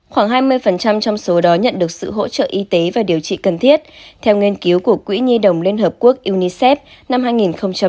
khoảng hai mươi trong số đó nhận được sự hỗ trợ y tế và điều trị cần thiết theo nghiên cứu của quỹ nhi đồng liên hợp quốc unicef năm hai nghìn một mươi tám